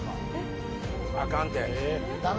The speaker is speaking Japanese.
あかんって。